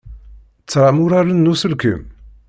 Tram uraren n uselkim?